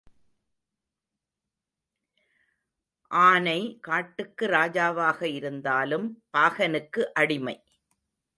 ஆனை காட்டுக்கு ராஜாவாக இருந்தாலும் பாகனுக்கு அடிமை.